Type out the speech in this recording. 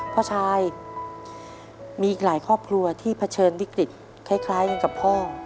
พ่อชายมีอีกหลายครอบครัวที่เผชิญวิกฤตคล้ายกันกับพ่อ